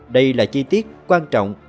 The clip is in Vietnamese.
đây là chi tiết quan trọng